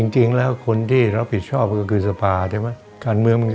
จริงแล้วคนที่เรียกผิดชอบก็คือสฟา